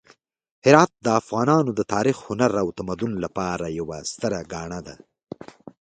هرات د افغانانو د تاریخ، هنر او تمدن لپاره یوه ستره ګاڼه ده.